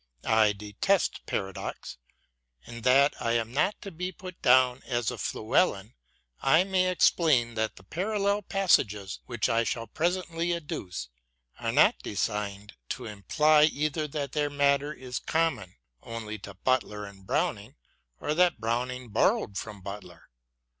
I detest paradox ; and that I may not be put down as a Fluellen, I may explain that the parallel passages which I shall presently adduce are not designed to imply either that their matter is common only to Butler or Browning, or that Browning borrowed from Butler.